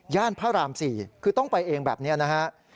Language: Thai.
พระราม๔คือต้องไปเองแบบนี้นะฮะ